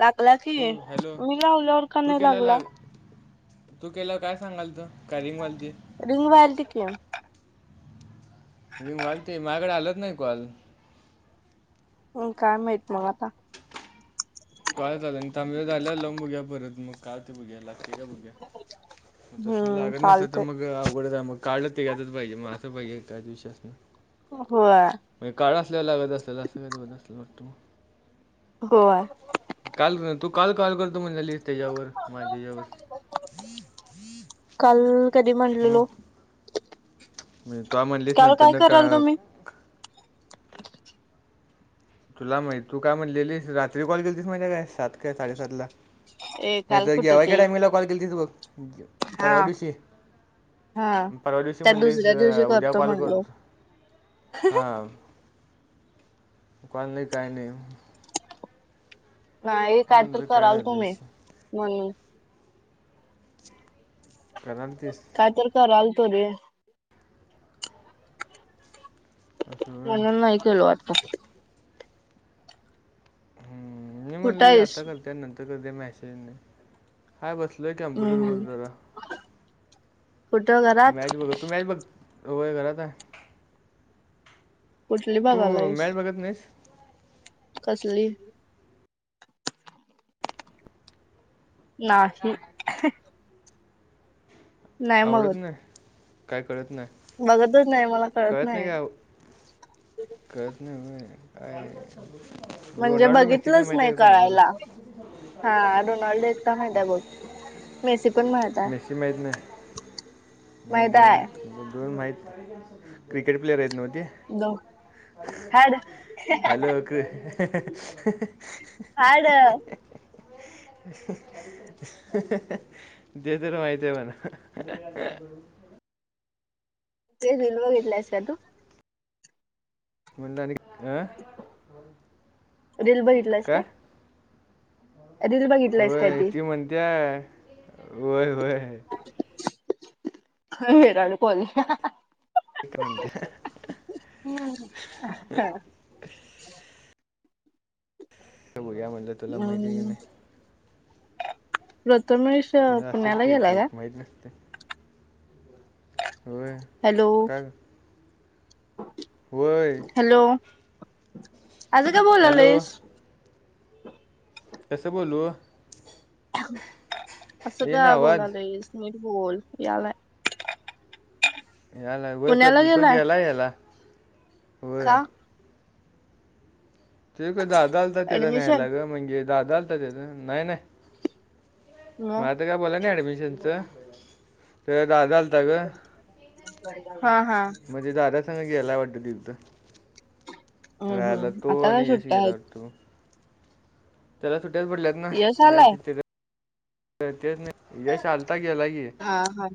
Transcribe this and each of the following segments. लागला की, तू हॅलो मी लावल्यावर का तू नाही केला लागला? लाग तू केल्यावर काय सांगालातो काय रिंग व्हालती. रिंग व्हालती की. [unintelligible] माझ्याकडे आलच नाही. [unintelligible] अं काय माहित मग आता. काय झालं? तांबव्यात आल्या लवून बघुया परत मग, काय का होतंय बघुया लावून. ठीक आहे बघूया. मग तसं हम्म लागत नसलं चालतय तर अवघडच आहे मग. कार्ड तेज्यातच पाहिजे मग अस पाहिजे काय तर विषय असणार. होय म्हणजे काळ असल्याला लागत असेल असं [unintelligible] बघ तू. गोवा. काल कर तू काल कॉल करत म्हणलीस त्याच्यावर माझ्याच्यावर काल कधी म्हणलेलो. म्हणज तो म्हणलीच काल नंतर काय न का? कराल तुम्ही तुला माहित तू काय म्हटलेली रात्री कॉल केली तस म्हणज्या काय सात काय साडेसात ए काल नाहीतर कुठं घ्यावा ए का ते टायमीला कॉल केली तिथू बघ. हा परवा दिवशी हा परवा दिवशी त्या म्हणालीलच दुसऱ्या दिवशी उद्या कॉल म्हणलो करतो. हा. काल नाही काही नाही. नाही काही तर म्हणतो काय कराल झालं तुम्ही म्हणून करणार तीस काय तर कलतो. असं होय म्हणून नाही कला आता हम्म नाही कुठं म्हणली आहेस आता करते नंतर करते मॅसेज नाही. काय बसलय कम्प्युटर हम्म वर हम्म जरा कुठं घरात मॅच बघ तू मॅच बघय घरात कुठली तू बघायलायस मॅच बघत नाहीस. कसली? नाही. आवडत नाही काय कळत नाही. बघतच नाही मला कळत नाही. कळत नाही काय म्हणजे रोनाल्डो मेस्सी तर बघितलंच माहिती नाही आहे कोणकण आहे. कळायला हा रोनाल्ड माहिती आहेत. मेस्सी पण मह मेस्सी माहीत नाही माहीत माहित आहे घ दन माहीत. क्रिकेट प्लेयर आहेत ना ते दो हाड हॅलो. ह. हड. [unintelligible] ते तर माहित आहे मला तेज दिलोग इितलायस तू? म्हण. रेल बघितलंच काय का? होय ती म्हणतेय होय होय. मरान कोलीया. ह ती म्हणत्या हा. बया म्हणज हम् रतमेश असतच की एक माहीत नसते. हो हॅलो का? हॅलो आजं का हॅलो बोोललास? कसं बोलू? असं ये का ना आवाज बोलालंय स्मित बोल यालाय. याला गोय पुण्याला प्रत तुघयलायला. अ का? ते दादा आलता त्याचा ऍडमिशन न्यायलाग म्हणजे दादा आलता त्याचा नाही नाही. म मला तर काय बोला ना ऍडमिशनच ते दादा झालता ग हा हा म्हणजे दादा सग ग्यायला वाटत तथ हम्म रायला हम्म तो आता काय आणि यश सुट्ट्या ग्यायला आहेत वाटतो. त्याला सुट्ट्याच पडल्यात ना, यश आलाय मॅच तेत, यश आता गेला की. हा हा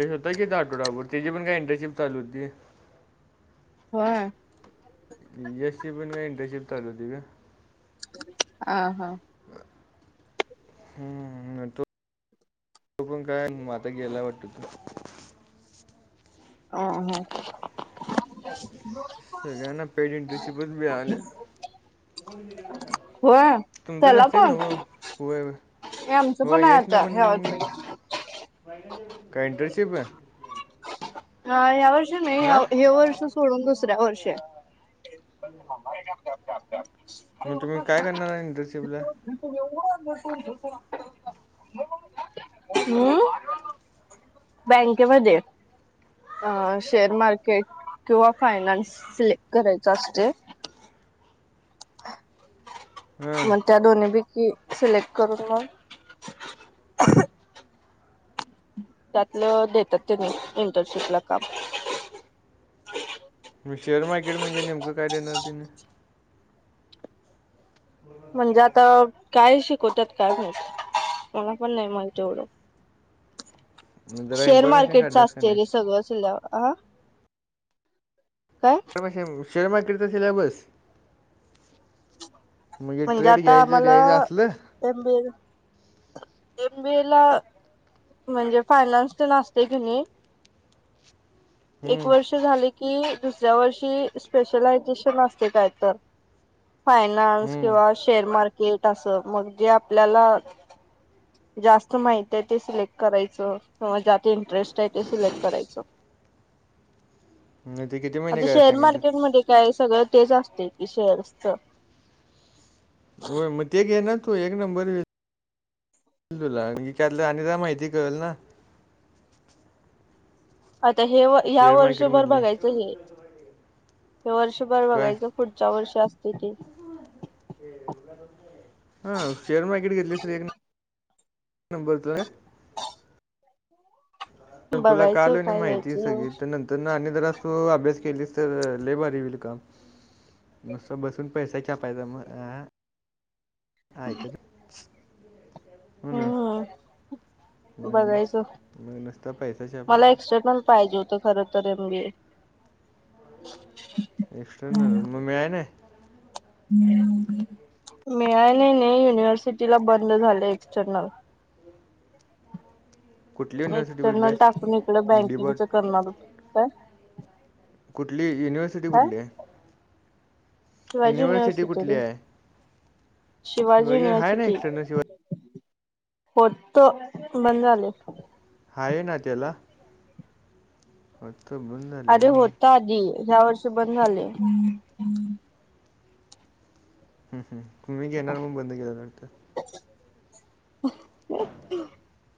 यश होतं किं आठोडावरर त्याची पण काय एंटरशिप चालू होती. ह. यश ची पण काय इंटरनशिप चालु होती काय? अ हा हम्म त. तु पण काय मग, आता गेल्यावरती ह हा. सगळ्यांना पेड इंटर्नशीप च मिळाल्या. होय तुमच त्याला नसतील पण न्हव, व्हय व्हय. हे आमचं हो पण आहे येश ना आता ह्या पण, वर्षी काय इंटर्नशिप? ह ह्या वर्ष नाही, हां हे वर्ष सोडुन दुसऱ्या वर्ष मग तुम्ही काय करणारा इंडरशिप ला? [unintelligible] हम् बँकेमध्ये! अ शेअर मार्केट किंवा फायनान्स सिलेक्ट करायचा असते. हां मग त्या दोन्ही पैकी सिलेक्ट करून मग. त्यातलं देतात त्यांनी, इंटर्नशिप ला काम. मग शेअर मार्केट म्हणजे नेमक काय देणार तिने? म्हणजे आता काय शिकवतात काय माहीत, मला पण नाही माहिती एवढं. [inaudible] शेअर इन्फॉर्मेशन मार्केटच काढलास का असते नाही रे सगळं, हा काय? शेअर मार्केटच सिलॅबस. म्हणजे ट्रेड घ्यायचं द्यायचं असलं? ब [unintelligible] एमबीए ला म्हणजे फायनान्स तेन आसते कि नाही. [inaudible] एक वर्ष झाले की दुसऱ्या वर्षी स्पेशलायझेशन असते कायत फायनान्स हम्म. किंवा शेअर मार्केट असं मग जे आपल्याला जास्त माहित आहे ते सिलेक्ट करायचं. हो ज्यात इंटरेस्ट आहे ते सिलेक्ट करायचं. मग ते किती महिने आता काय शेअर सांगितले मार्केटमध्ये. काय सगळं तेच असते की शेअर्सच. होय मग ते घेना तू एक नंबर [unintelligible] तुला आणि माहिती कळेल ना आता हे ह्या शेअर वर्षभर मार्केटमधली बघायचं हे. हे वर्षभर बघायचं पुढच्या वर्ष असते ते. हा शेअर मार्केट घेतली तर एक [unintelligible] ह [unintelligible] तुला काल काय माहिती घ्यायचं सगळी तर नंतर तर आणि जरा अस अभ्यास केलीस तर लेय भारी होईल काम. नुसतं बसून पैसा छापायचं मग, अ हाय तर. हो न. बघायच, मग नुसता पैसा छाप मला आहे एक्स्ट्रेनल. पाहिजे होत खर तर एम बी ए. एक्स्टर्नल, मग मिळाय नाय? मिळाली नाही, युनिव्हर्सिटीला बंद झालं एक्सटर्नल. [inaudible] कुठली युनिव्हर्सिटी एक्सटर्नल टाकून इकडं बघितलीस डीबॉट बँकिंगच करणार, काय? कुठली युनिव्हर्सिटी काय कुठली आहे? शिवाजी युनिव्हर्सिटी कुठली युनिवर्सिटी आहे शिवाजी शिवाय आहे ना युनिव्हर्सिटी एक्सटर्नल शिवाय होत, बंद झाले. हाय ना त्याला? [unintelligible] अरे होता आधी ह्या वर्षी बंद झाले हम् हम तुम्ही घेणार मग बंद केेलं नतर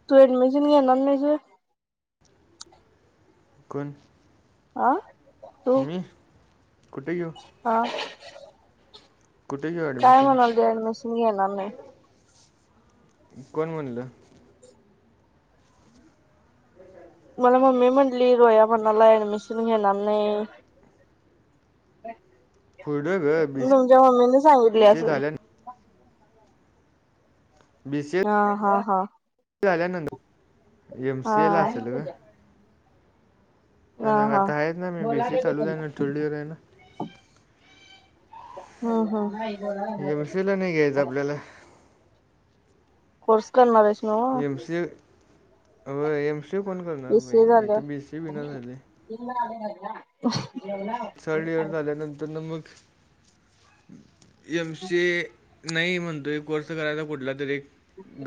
तू एडमेजन घेणार नाहीस होय. कोण? आं मी कुठे घऊ हा कुठे घेऊ काय ॲडमिशन म्हणाली, अऍडमिशन घेणार नाही. कोण म्हणलं? मला मम्मी म्हणली रोया म्हणालाय, एडमिशन घे नाही. पुढं ग बी तुमच्या मम्मीने सांगितले सी ए असेल झाल्या बी सी ए हा हा हा. झाल्यानंतर एमसी ए ला हा. असेल ग. हा हा आता आहेत ना मी बी सी ए चालू आहे थोडी आहे ना. हम्म एम सी ला नाही घ्यायचं हम्म. आपल्याला कोर्स करणार आहेस नव्ह एम सी हो एम सी कोण करणार भाई इथं बी सी बी नाही झाली. त अला [unintelligible] [inaudible] थर्ड इयर झाल्यानंतर ना मग. एम सी नाही म्हणतो एक कोर्स करायचा कुठला तरी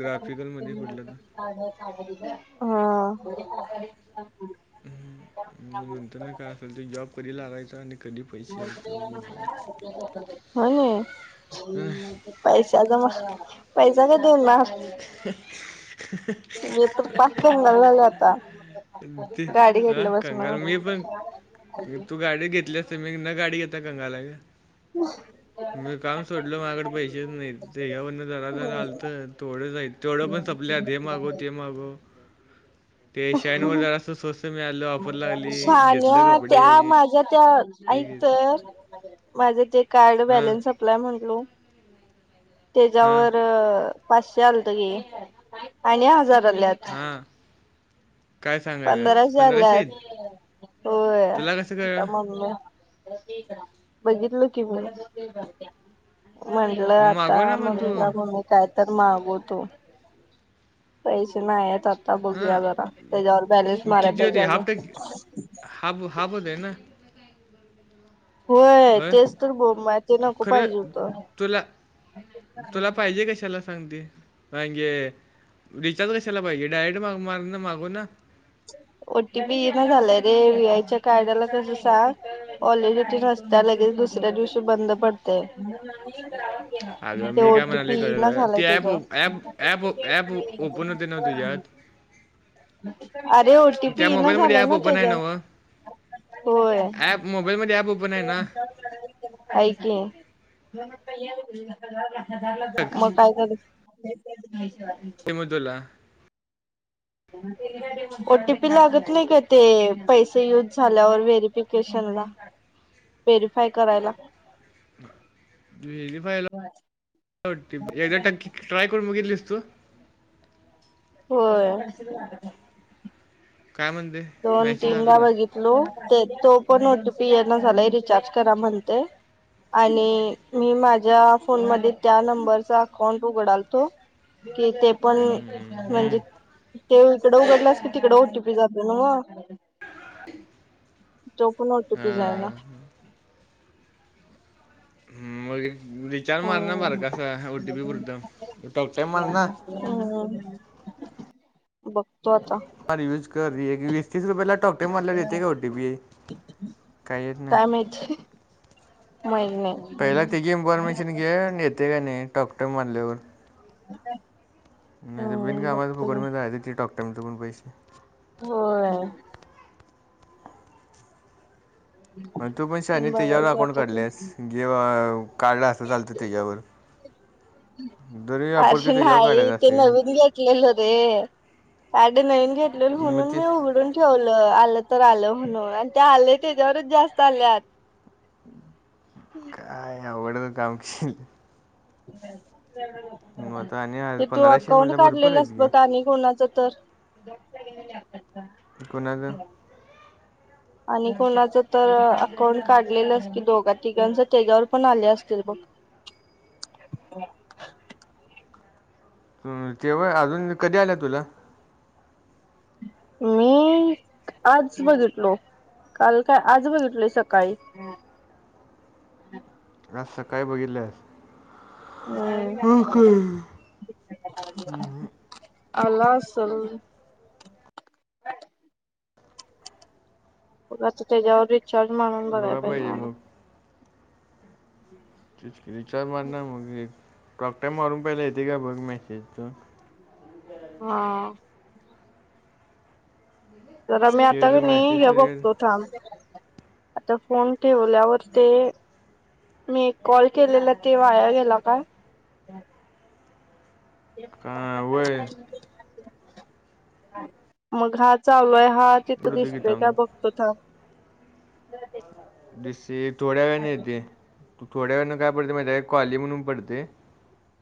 ग्राफिकलमध्ये कुठला तर [unintelligible] हा ह म नंतर ना काय असेल ते जॉब कधी लागायच आणि कधी पैसे यायचं. हो ना बघून पैसा जमा पैसा का देऊन म [inaudible] म्हजे तर पाच पन झाल झाले आता ते गाडी हां घेतलं कंगाल बसून. मी पण तू गाडी घेतली असते मी न गाडी घेता कंगाला. मी काम सोडल माझकड पैसेच नाही ते ह्यावरन जरादरा आलत ढ तेवढं पण संपल्यात, हे मागो ते मागो. ते शाईन वर जालं अस स्वस्त मिळालं वापरला लागली घेतलं कपडे माझ त्या हे ऐक घेतलं तर, माझं ते कार्ड हां बॅलन्स अप्लाय म्हटलो. हां त्याच्यावर पाचशे आलंत गे आणि हजार [inaudible] हां काय सांगायलास पंधराशे आल्यात आहेत? होय, तुला कसं आ कळलं मम्मी. बघितलं कि म म्हटलं मग आता मागव ना मग मम्मी तू का मम्मी काय तर मागवतो पैसे नाही आहेत आता, बघूया हां जरा त्याच्यावर बॅलेन्स मारा पाहिज ज. हब हब दे ना होय आय तेच तर बोंब आहे ते नको खरं पाहिजे होतं तुला. तुला पाहिजे कशाला सांगते म्हे रिचार्ज कशाला पाहिजे डायरेक्टग मार ना मागून ना ओटी पी येइना झालंय रे, व्हीआयच्या कार्डाला तसं सांग. ऑलेडिटी असत्या लगेच, दुसऱ्या दिवशी बंद पडतय. अगं ते मी ओ काय टी पी म्हणाले येईना कळ झालंय ती ॲप तेच्यावर. ॲप ॲप ॲप ओपन होते ना तुझ्यात अरे ओ टी त्या पी हे ना मोबाईलमध्ये झालंय ॲप ना ओपन आहे त्यांच्यावर. व होय. ॲप मोबाईलमध्ये ॲप ओपन आहे ना हायकी मगं बघ [unintelligible] [unintelligible] म तुला. [unintelligible] ओटीपी लागत नाही का ते, पैसे युज झाल्यावर व्हेरीफिकेशन ला. व्हेरीफाय करायला. [unintelligible] एकदा टक्के ट्राय करून बघितलीस तू, होय. काय म्हणते, दोन मॅसेज तीनदा आला ना बघितलो ते तो, पण ओ टी पी येईना झालंय रिचार्ज करा म्हणते. आणि मी माझ्या फोनमध्ये, त्या नंबरचा अकाउंट उघडालतो. कि ते पण हम्म, हम्म. म्हणजे ते, इकड उघडलंस की तिकडं ओटीपी नव. [inaudible] तो पण ओटीपी जाईना. हा. हम मग रिचार्ज मारना हम्म बारकासा, ओटीपी पुरतं टाॅकटाईम मारना. हम्म हम्म, बघतो आता. यूज कर एक वीस तीस रुपयला टॉकटाईम. ते म्हणाले येते ओ टी पी, काय येत नाही. काय माहित. माहित नाही. त्यातेची इन्फॉर्मेशन घे, येते काय नाही टॉकटाइम मारल्यावर. [inaudible] नाही तर बिन हम्म कामाचं बघतो. की फुकडमध्ये जायचं, ते टॉकटाईम पण पैसे. होय. तू पण शहानी त्याच्यावर बघायचं अकाउंट आता ते काढल्यास, घे कार्ड असं झालतं त्यांच्यावर. अरे त्याच्यावर नाही काढायचं ते, असते नवीन का घेतलेलं रे. आदी नवीन घेतलेलो, मग म्हणून‌ ते मी उघडून. ठेवलं आलं तर आलं म्हणून, आणि ते आले तेच्यावरच जास्त आल्यात. हम्म. काय अवघडच काम [unintelligible] मग आता आणि आज ते तू पंधराशे अकाउंट म्हणलं भरपूर आहेत काढलेलंस गे बघ, आणि कोणाच तर. दोघीजणी लागतात कां. कुणाचं. आणि कोणाचं तर अकाउंट काढलेलंस की, दोघा- तिघांच तेच्यावर पण आले असतील बघ. ते होय‌, अजून कधी आलंय तुला. मी आज बघितलो. काल काय आज, बघितलोय सकाळी. आज सकाळी बघितल्यास. हम् हो काय? हम्म. आलो आसल. आता तेच्यावर रिचार्ज मारून बघाय बघा पाहिजे मला. मग [inaudible] तेच की रिचार्ज मारणार मग, टाॅकटाईम मारून पहिला येत का बघ मॅसेज तू. हां. जरा मी आता ते कणी, मॅसेज हे तर येईल बघतो थांब. तो फोन ठेवल्यावर ते, मी एक कॉल केलेला ते वाया गेला का? का वय मग हा चालू आहे हा तिथं कुठं तू दिसतोय घेता का बघतो थांब. दिस्से थोड्या वेळाने येते. तू थोड्या वेळाने काय बोलते माहिती आहे कॉली म्हणून पडते.